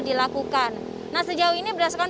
dilakukan nah sejauh ini berdasarkan